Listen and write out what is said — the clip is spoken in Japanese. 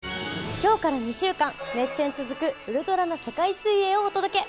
今日から２週間熱戦が続くウルトラな世界水泳をお届け。